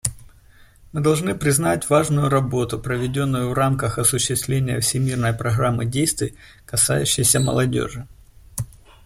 Мы должны признать важную работу, проведенную в рамках осуществления Всемирной программы действий, касающейся молодежи.